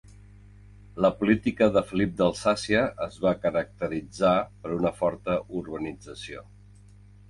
La política de Felip d'Alsàcia es va caracteritzar per una forta urbanització.